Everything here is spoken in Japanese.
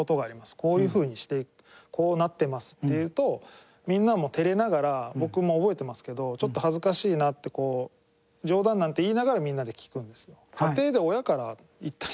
「こういうふうにしてこうなってます」って言うとみんなも照れながら僕も覚えてますけどちょっと恥ずかしいなってこう冗談なんて言いながらみんなで聞くんですよ。